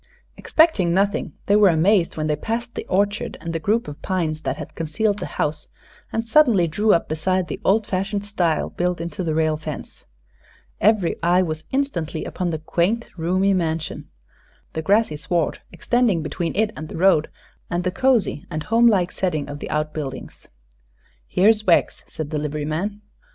Expecting nothing, they were amazed when they passed the orchard and the group of pines that had concealed the house and suddenly drew up beside the old fashioned stile built into the rail fence. Every eye was instantly upon the quaint, roomy mansion, the grassy sward extending between it and the road, and the cosy and home like setting of the outbuildings. "Here's Wegg's," said the liveryman.